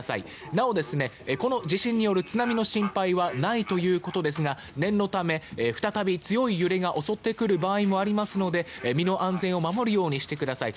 なおこの地震による津波の心配はないということですが念のため、再び強い揺れが襲ってくる場合もありますので身の安全を守るようにしてください。